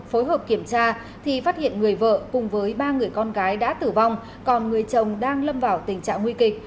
phối hợp kiểm tra thì phát hiện người vợ cùng với ba người con gái đã tử vong còn người chồng đang lâm vào tình trạng nguy kịch